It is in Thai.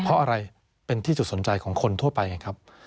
เพราะอะไรเป็นที่จุดสนใจของคนทั่วไปไงครับ